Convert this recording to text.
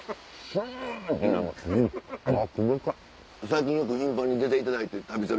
最近よく頻繁に出ていただいて『旅猿』